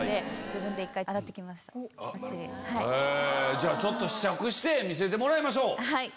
じゃあ試着して見せてもらいましょう。